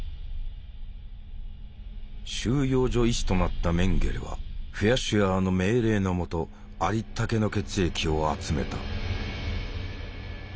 収容所医師となったメンゲレはフェアシュアーの命令の下ありったけの血液を集めた。